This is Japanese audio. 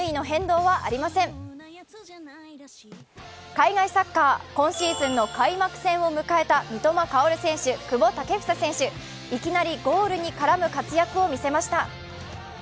海外サッカー今シーズンの開幕戦を迎えた三笘薫選手、久保建英選手、いきなりゴールに絡む活躍を見せました。